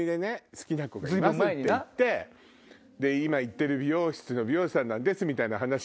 好きな子がいますって言って今行ってる美容室の美容師さんですみたいな話をして。